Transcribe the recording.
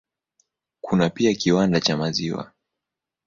Kuna pia kiwanda cha maziwa.